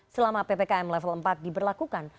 selama ppkm level empat diberlakukan